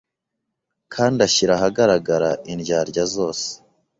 kandi ashyira ahagaragara indyarya zose